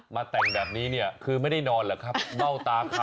มาแต่งแบบนี้คือไม่ได้นอนหรือครับเบ้าตาครับ